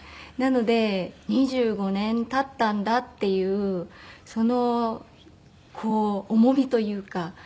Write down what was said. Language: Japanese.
なので２５年経ったんだっていうその重みというか。